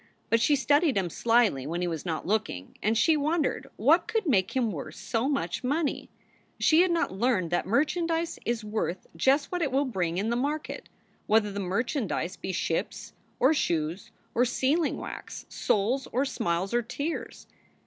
But she studied him slyly when he was not looking, and she wondered what could make him worth so much money. She had not learned that merchandise is worth just what it will bring in the market, whether the merchandise be ships or shoes or sealing wax, souls or smiles or tears.